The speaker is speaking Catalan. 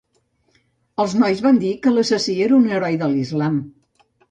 Els nois van dir que l'assassí era un heroi de l'islam.